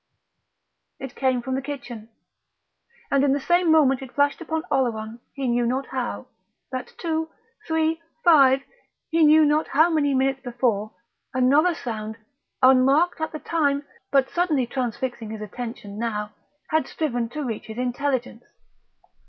_" It came from the kitchen. And in the same moment it flashed upon Oleron, he knew not how, that two, three, five, he knew not how many minutes before, another sound, unmarked at the time but suddenly transfixing his attention now, had striven to reach his intelligence.